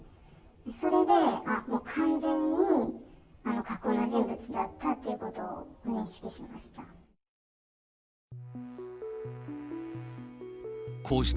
それで、あっ、もう完全に架空の人物だったということを認識しました。